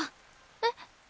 えっ。